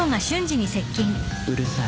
うるさい。